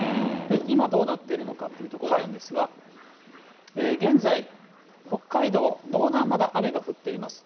今どうなっているのかというところなんですが、現在、北海道、道南はまだ雨が降っています。